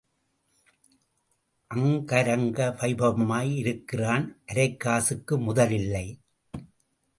அங்கரங்க வைபவமாய் இருக்கிறான் அரைக்காசுக்கு முதல் இல்லை.